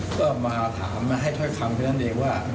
ก็มาถามให้ท้อยคำว่า